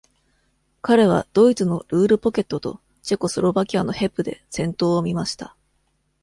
彼はドイツの「ルール・ポケット」とチェコスロバキアのヘプで戦闘を見ました。